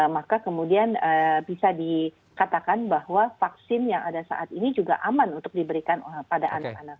maka kemudian bisa dikatakan bahwa vaksin yang ada saat ini juga aman untuk diberikan pada anak anak